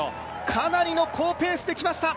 かなりの好ペースできました！